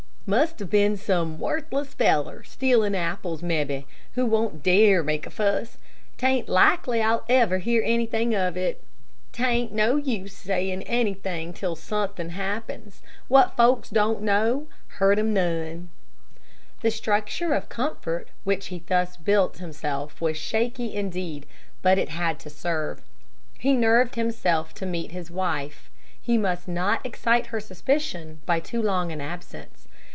"Must have been some worthless feller, stealin' apples, mebbe, who won't dare make a fuss. 'T ain't likely I'll ever hear anythin' of it. 'T ain't no use sayin' anythin' till suthin' happens. What folks don't know don't hurt 'em none." The structure of comfort which he thus built himself was shaky indeed, but it had to serve. He nerved himself to meet his wife. He must not excite her suspicion by too long an absence.